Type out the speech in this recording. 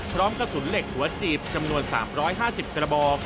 กระสุนเหล็กหัวจีบจำนวน๓๕๐กระบอก